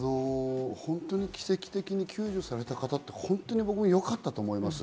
奇跡的に救助された方って、本当によかったと思います。